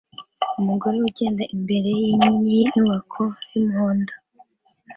Umugore ugenda imbere yinyubako yumuhondo